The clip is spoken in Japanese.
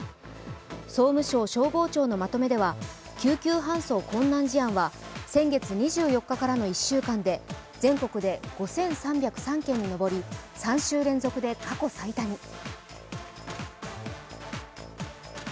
総務省消防庁のまとめでは救急搬送困難事案は先月２４日からの１週間で全国で５３０３件に上り、３週連続で過去最多に。